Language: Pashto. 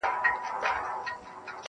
ډېر له کیبره څخه ګوري و هوا ته,